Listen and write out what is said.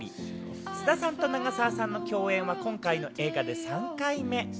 菅田さんと長澤さんの共演は今回の映画で３回目。